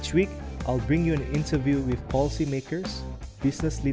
setiap minggu saya akan membawakan anda menjelaskan dengan pembuat kebijakan